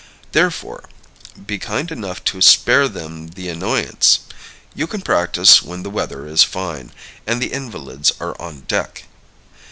Therefore, be kind enough to spare them the annoyance. You can practise when the weather is fine, and the invalids are on deck.